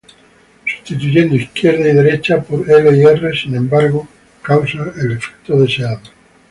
Sustituyendo izquierda y derecha por L y R, sin embargo, causa el efecto deseado.